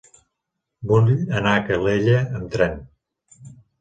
Vull anar a Calella amb tren.